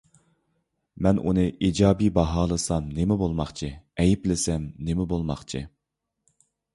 مەن ئۇنى ئىجابىي باھالىسام نېمە بولماقچى، ئەيىبلىسەم نېمە بولماقچى؟